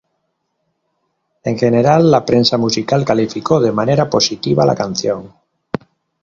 En general, la prensa musical calificó de manera positiva a la canción.